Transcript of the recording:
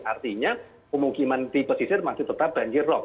artinya pemukiman di pesisir masih tetap banjir lok